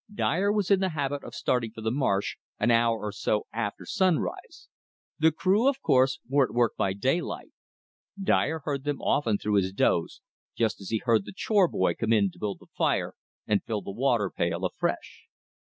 Dyer was in the habit of starting for the marsh an hour or so after sunrise. The crew, of course, were at work by daylight. Dyer heard them often through his doze, just as he heard the chore boy come in to build the fire and fill the water pail afresh.